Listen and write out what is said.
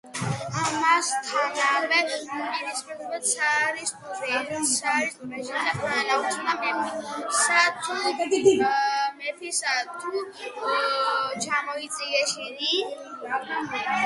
ამასთანავე, უპირისპირდებოდა ცარისტულ რეჟიმს და თანაუგრძნობდა მეფისა თუ სოციალური უსამართლობის წინააღმდეგ მებრძოლ ქართველ აქტივისტებს.